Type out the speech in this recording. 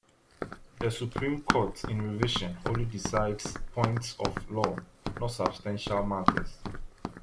The Supreme Court in revision only decides points of law, not substantial matters.